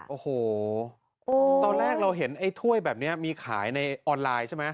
โอ้โหตอนแรกเราเห็นไอ้ถ้วยแบบนี้มีขายในออนไลน์ใช่ไหม